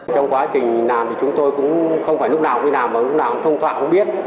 trong quá trình làm thì chúng tôi cũng không phải lúc nào cũng đi làm và lúc nào cũng thông thoại cũng biết